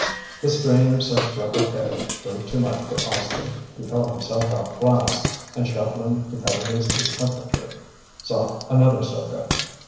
The strain of such repartee proved too much for Austin; he felt himself outclassed and, shuffling to cover his discomfiture, sought another subject.